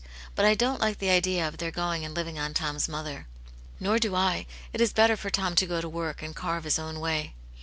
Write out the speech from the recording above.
But I don't like the idea of their going and living on Tom's mother." " Nor I. It is better for Tom to go to work, and carve his own way."